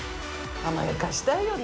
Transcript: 甘やかしたいよね。